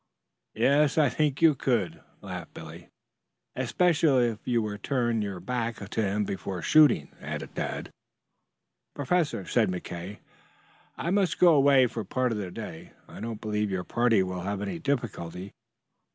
"Yes, I think you could," laughed Billy. "Especially if you were to turn your back to him before shooting," added Tad. "Professor," said McKay, "I must go away for part of the day. I do not believe your party will have any difficulty.